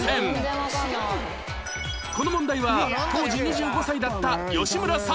この問題は当時２５歳だった吉村さん